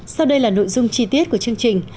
sau đây là nội dung chi tiết của chương trình